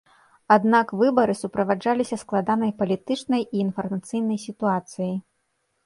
Аднак выбары суправаджаліся складанай палітычнай і інфармацыйнай сітуацыяй.